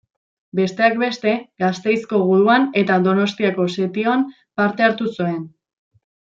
Besteak beste, Gasteizko guduan eta Donostiako setioan parte hartu zuen.